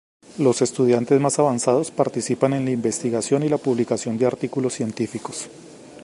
Los estudiantes más avanzados participan en la investigación y la publicación de artículos científicos.